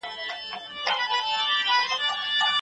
ایا دا بنسټ استثماري بڼه لري؟